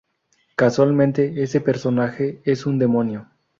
Casualmente, ese personaje es un demonio.